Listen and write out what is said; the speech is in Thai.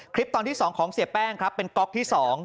คลิปตอนที่๒ของเสียแป้งครับเป็นก๊อกที่๒